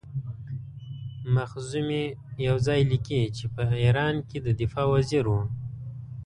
مخزومي یو ځای لیکي چې په ایران کې د دفاع وزیر وو.